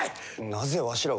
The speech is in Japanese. なぜわしらが。